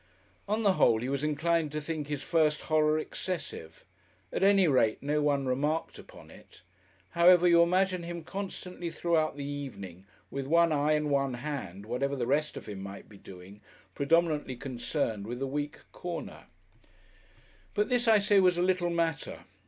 On the whole, he was inclined to think his first horror excessive; at any rate no one remarked upon it. However you imagine him constantly throughout the evening, with one eye and one hand, whatever the rest of him might be doing, predominantly concerned with the weak corner. But this, I say, was a little matter.